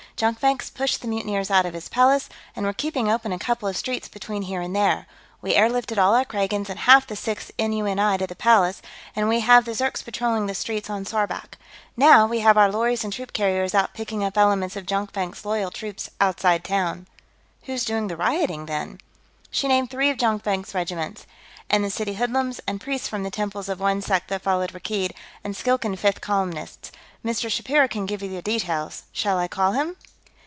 Jonkvank's pushed the mutineers out of his palace, and we're keeping open a couple of streets between there and here. We air lifted all our Kragans and half the Sixth N.U.N.I. to the Palace, and we have the Zirks patrolling the streets on 'saurback. Now, we have our lorries and troop carriers out picking up elements of Jonkvank's loyal troops outside town." "Who's doing the rioting, then?" She named three of Jonkvank's regiments. "And the city hoodlums, and priests from the temples of one sect that followed Rakkeed, and Skilkan fifth columnists. Mr. Shapiro can give you the details. Shall I call him?"